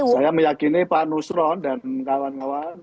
saya meyakini pak nusron dan kawan kawan